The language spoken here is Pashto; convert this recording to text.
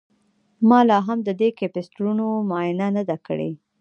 ما لاهم د دې کیپیسټرونو معاینه نه ده کړې